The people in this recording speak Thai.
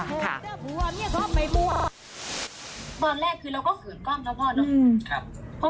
ก่อนแรกคือเราก็เผื่อกล้องเท่าไหร่นะครับ